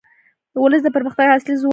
ولس د پرمختګ اصلي ځواک دی.